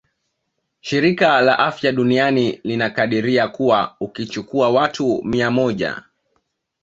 Shirika la afya duniani linakadiria kuwa ukichukua watu mia moja